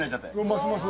ますます。